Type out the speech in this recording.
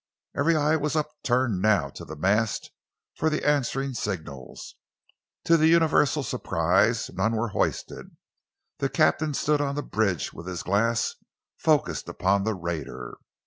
Every eye was upturned now to the mast for the answering signals. To the universal surprise, none were hoisted. The captain stood upon the bridge with his glass focussed upon the raider.